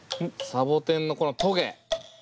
サボテンのこのトゲ。